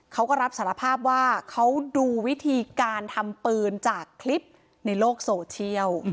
เขาก็รับสารภาพว่าเขาดูวิธีการทำปืนจากคลิปในโลกโซเชียล